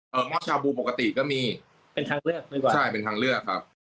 หม้อชาบูปกติก็มีเป็นทางเลือก